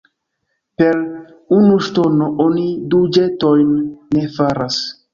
Per unu ŝtono oni du ĵetojn ne faras.